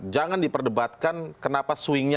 jangan diperdebatkan kenapa swingnya